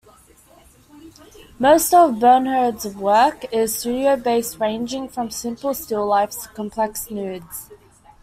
Most of Bernhard's work is studio-based, ranging from simple still lifes to complex nudes.